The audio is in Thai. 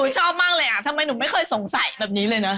ชอบมากเลยอ่ะทำไมหนูไม่เคยสงสัยแบบนี้เลยนะ